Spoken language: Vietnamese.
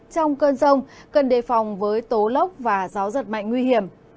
trong cơn rông cần đề phòng với tố lốc và gió giật mạnh nguy hiểm